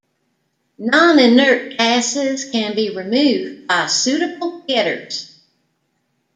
Non-inert gases can be removed by suitable getters.